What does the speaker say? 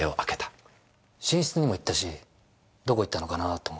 寝室にも行ったしどこ行ったのかなって思って。